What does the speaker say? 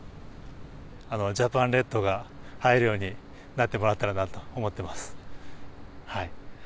ジャパンレッドが映えるようになってもらったなと思ってます。